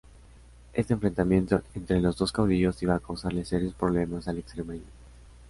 Este enfrentamiento entre los dos caudillos iba a causarle serios problemas al extremeño.